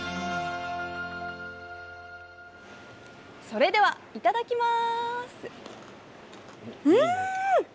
それではいただきます！